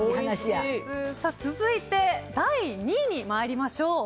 続いて、第２位に参りましょう。